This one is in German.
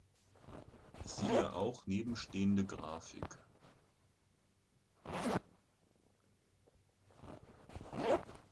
Siehe auch nebenstehende Grafik.